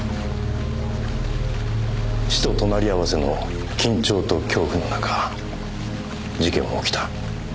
死と隣り合わせの緊張と恐怖の中事件は起きた。